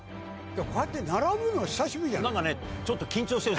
こうやって並ぶの久しぶりじゃない？